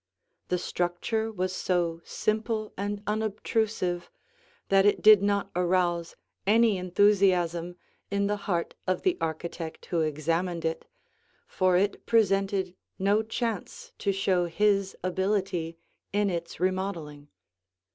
The structure was so simple and unobtrusive that it did not arouse any enthusiasm in the heart of the architect who examined it, for it presented no chance to show his ability in its remodeling.